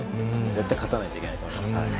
絶対に勝たないといけないと思います。